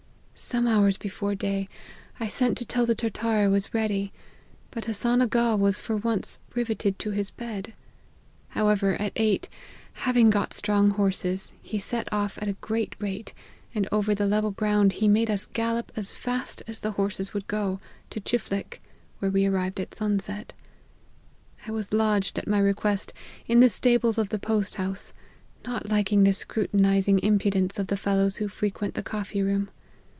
Some hours before day, I sent to tell the Tartar I was ready, but Hassan Aga was for once riveted to his bed. However, at eight, having got strong horses, he set off at a great rate, and over the level ground he made us gallop as fast as the horses would go, to Chiflick, where we arrived at sun set, I was lodged, at my request, in the stables of the post house, not liking the scrutinizing impudence of the fellows who frequent the coffee room.